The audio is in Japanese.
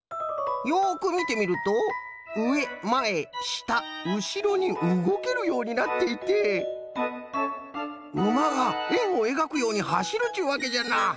よくみてみるとうえまえしたうしろにうごけるようになっていてうまがえんをえがくようにはしるっちゅうわけじゃな！